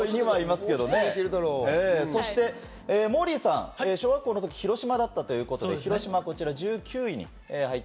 そしてモーリーさん、小学校の時、広島だったということでこちら１９位。